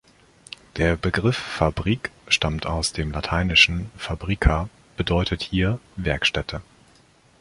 Der Begriff „Fabrik“ stammt aus dem lateinischen; „fabrica“ bedeutet hier Werkstätte.